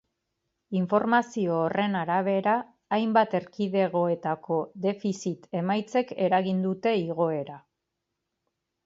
Informazio horren arabera, hainbat erkidegoetako defizit emaitzek eragin dute igoera.